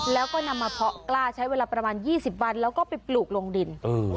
แล้วก็นำมาเพาะกล้าใช้เวลาประมาณ๒๐วันแล้วก็ไปปลูกลงดิน